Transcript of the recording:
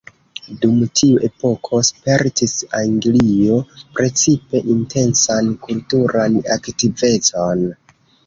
Dum tiu epoko spertis Anglio precipe intensan kulturan aktivecon.